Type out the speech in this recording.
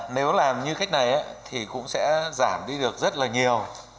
nếu làm như khách này thì cũng sẽ giảm đi được rất là nhiều